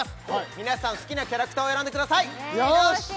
皆さん好きなキャラクターを選んでくださいよーし！